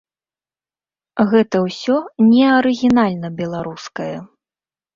Гэта ўсё не арыгінальна-беларускае.